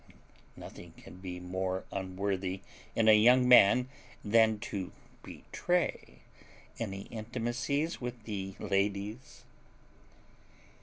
Nothing can be more unworthy in a young man, than to betray any intimacies with the ladies."